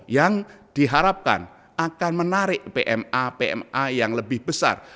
yang diharapkan akan menarik pma pma yang lebih besar